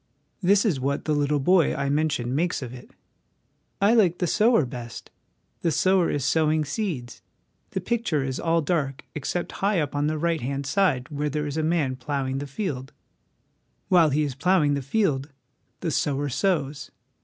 This is what the little boy I mentioned makes of it :" I liked the Sower best. The sower is sowing seeds ; the picture is all dark except high up on the right hand side where there is a man ploughing the field. While he is ploughing the field the sower sows.